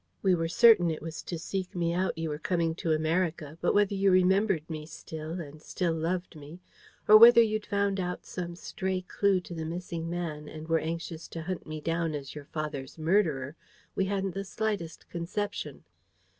We were certain it was to seek me out you were coming to America; but whether you remembered me still and still loved me, or whether you'd found out some stray clue to the missing man, and were anxious to hunt me down as your father's murderer, we hadn't the slightest conception.